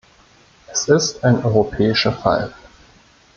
Es ist ein europäischer Fall!